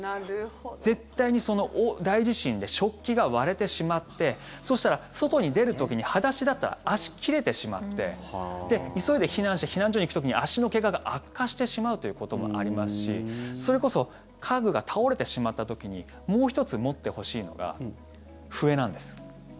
絶対に、大地震で食器が割れてしまってそうしたら外に出る時に裸足だったら足、切れてしまって急いで避難して避難所に行く時に足の怪我が悪化してしまうということもありますしそれこそ家具が倒れてしまった時にもう１つ、持ってほしいのが笛なんです。